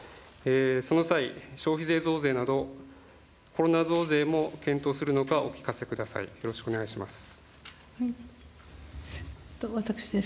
その際、消費税増税など、コロナ増税も検討するのかお聞かせください、よろしくお願いします。